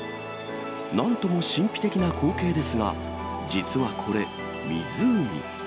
なんとも神秘的な光景ですが、実はこれ、湖。